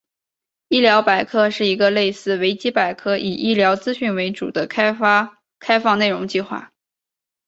医疗百科是一个类似维基百科以医疗资讯为主的开放内容计划。